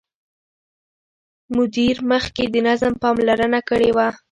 مدیر مخکې د نظم پاملرنه کړې وه.